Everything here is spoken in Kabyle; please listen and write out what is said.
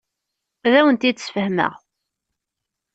Ad awent-t-id-sfehmeɣ.